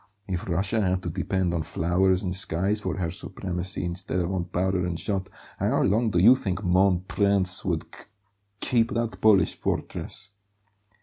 If Russia had to depend on flowers and skies for her supremacy instead of on powder and shot, how long do you think 'mon prince' would k keep that Polish fortress?"